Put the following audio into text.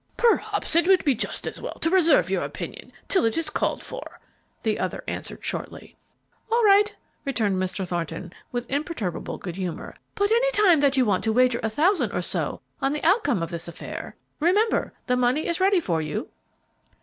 "Perhaps it might be just as well to reserve your opinion till it is called for," the other answered, shortly. "All right," returned Mr. Thornton, with imperturbable good humor; "but any time that you want to wager a thousand or so on the outcome of this affair, remember the money is ready for you!"